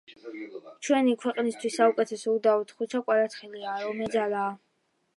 ჩვენი ქვეყნისთვის საუკეთესო, უდავოდ, ხვიჩა კვარაცხელიაა, რომელიც წამყვანი ძალაა,